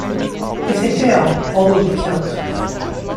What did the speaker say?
If they fail, all will be killed.